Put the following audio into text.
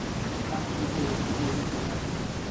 هر څوک په یو څه پوهېږي دا حقیقت دی.